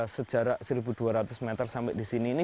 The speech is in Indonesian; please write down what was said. sejarah seribu dua ratus meter sampai di sini ini